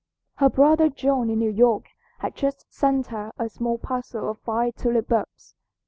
Her brother John in New York had just sent her a small parcel of fine tulip bulbs.